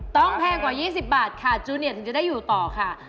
แพงกว่า๒๐บาทค่ะจูเนียร์ถึงจะได้อยู่ต่อค่ะ